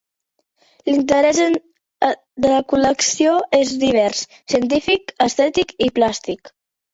L'interès de la col·lecció és divers: científic, estètic i plàstic.